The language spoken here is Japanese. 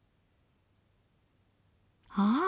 ああ！